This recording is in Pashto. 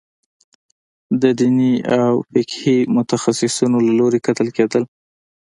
د دیني او فقهي متخصصینو له لوري کتل کېدل.